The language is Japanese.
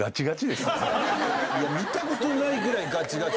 見たことないぐらいガチガチ。